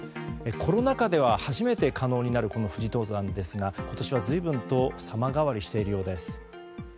コロナ禍では初めて可能になる富士登山ですが今年は随分と様変わりしているようです。